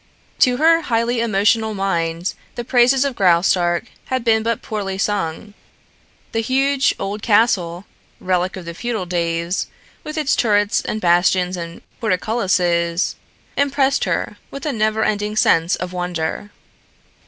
To her highly emotional mind, the praises of Graustark had been but poorly sung. The huge old castle, relic of the feudal days, with its turrets and bastions and portcullises, Impressed her with a never ending sense of wonder.